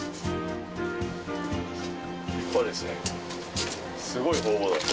立派ですね。